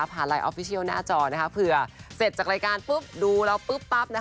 ผ่านไลน์ออฟฟิชิอลหน้าจอเผื่อเสร็จจากรายการดูแล้ว